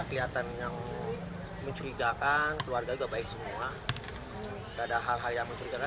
kelihatan yang mencurigakan keluarga juga baik semua ada hal hal yang mencurigakan